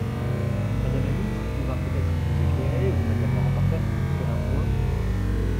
Madame la ministre pourra peut-être nous éclairer, ou Madame la rapporteure, sur un point.